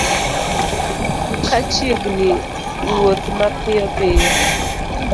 Ka chiegni wuoth mapiyo piyo